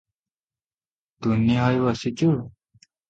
ତୁନି ହୋଇ ବସିଛୁ?